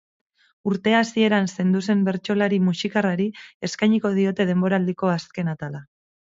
Urte hasieran zendu zen bertsolari muxikarrari eskainiko diote denboraldiko azken atala.